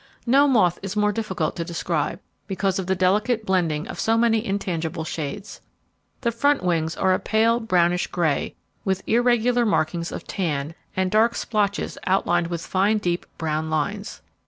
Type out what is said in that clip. No moth is more difficult to describe, because of the delicate blending of so many intangible shades. The front wings are a pale, brownish grey, with irregular markings of tan, and dark splotches outlined with fine deep brown lines.